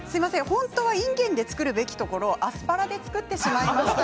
本当はいんげんで作るべきところアスパラで作ってしまいました。